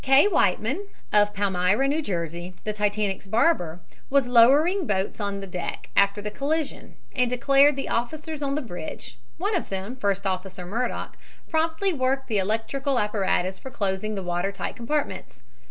K. Whiteman, of Palmyra, N. J., the Titanic's barber, was lowering boats on deck after the collision, and declared the officers on the bridge, one of them First Officer Murdock, promptly worked the electrical apparatus for closing the water tight compartments.